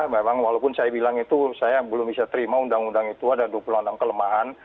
memang walaupun saya bilang itu saya belum bisa terima undang undang itu ada dua puluh enam kelemahan